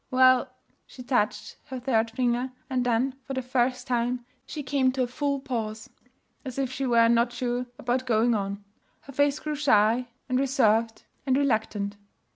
'Well,' She touched her third finger, and then, for the first time, she came to a full pause, as if she were not sure about going on. Her face grew shy and reserved and reluctant.